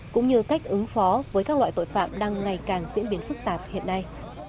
cũng như cách ứng phó với các loại tội phạm đang ngày càng diễn biến phức tạp hiện nay